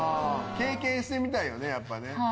経験してみたいよねやっぱね。